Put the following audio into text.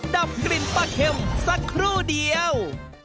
ดับกลิ่นปลาเข็มสักครู่เดียว